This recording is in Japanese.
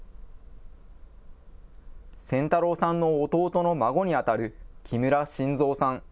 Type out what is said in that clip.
仙太郎さんの弟の孫に当たる木村真三さん。